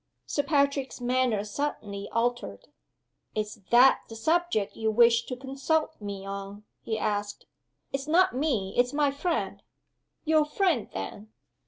Sir Patrick's manner suddenly altered. "Is that the subject you wish to consult me on?" he asked. "It's not me. It's my friend." "Your friend, then?"